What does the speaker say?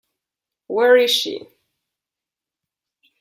Where Is She?